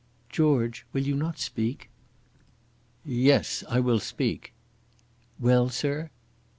"George, will you not speak?" "Yes; I will speak." "Well, sir!"